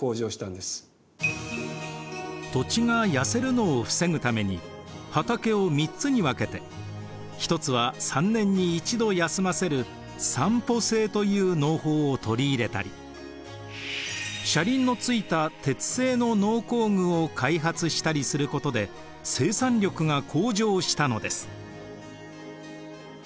土地が痩せるのを防ぐために畑を３つに分けて一つは３年に一度休ませる「三圃制」という農法を取り入れたり車輪の付いた鉄製の農耕具を開発したりすることで生産力が向上したのです。